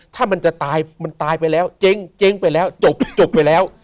ถ้ามันจะตายมันตายไปแล้วเจ๊งไปแล้วจบไปแล้ว